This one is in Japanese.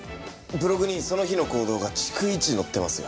ブログにその日の行動が逐一載ってますよ。